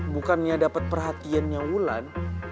bukannya dapet perhatiannya wulan